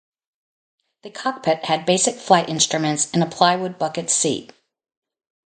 The cockpit had basic flight instruments and a plywood bucket seat.